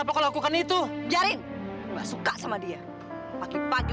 pas sekali buat aku